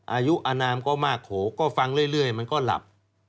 อายุอนามก็มากโขก็ฟังเรื่อยมันก็หลับ